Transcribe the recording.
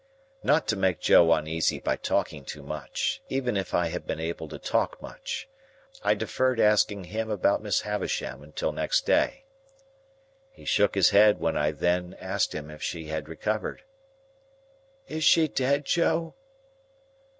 Not to make Joe uneasy by talking too much, even if I had been able to talk much, I deferred asking him about Miss Havisham until next day. He shook his head when I then asked him if she had recovered. "Is she dead, Joe?"